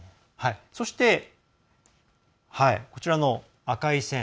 そして、こちらの赤い線。